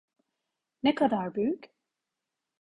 Ne kadar büyük?